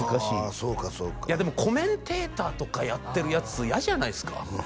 そうかそうかでもコメンテーターとかやってるヤツ嫌じゃないですか？